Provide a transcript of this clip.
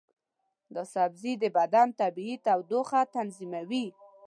دا سبزی د بدن طبیعي تودوخه تنظیموي.